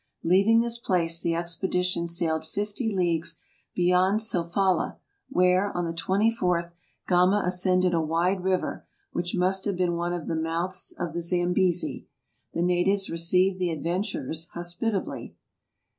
Leaving this place the expedition sailed fifty leagues beyond Sofala, where, on the 24th, Gama ascended a wide river which must have been one of the mouths of the Zambesi. The natives received the adventurers hospitably.